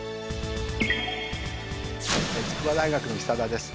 筑波大学の久田です。